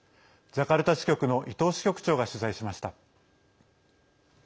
ジャカルタ支局の伊藤支局長が取材しました。